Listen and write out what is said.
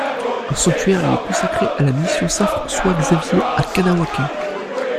Un sanctuaire lui est consacré à la Mission Saint-François-Xavier, à Kahnawake.